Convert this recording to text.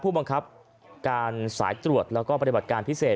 ผู้บังคับการสายตรวจแล้วก็ปฏิบัติการพิเศษ